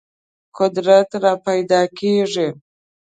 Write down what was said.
قدرت راپیدا کېږي.